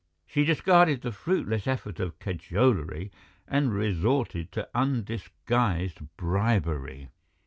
She discarded the fruitless effort at cajolery and resorted to undisguised bribery.